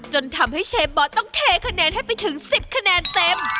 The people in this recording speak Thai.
จนทำให้เชฟบอสต้องเทคะแนนให้ไปถึง๑๐คะแนนเต็ม